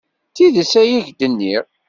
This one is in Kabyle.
D tidet ay ak-d-nniɣ.